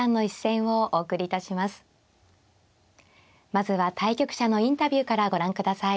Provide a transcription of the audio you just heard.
まずは対局者のインタビューからご覧ください。